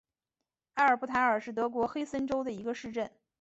埃尔布塔尔是德国黑森州的一个市镇。